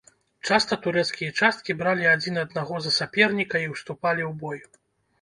Часта турэцкія часткі бралі адзін аднаго за саперніка і ўступалі ў бой.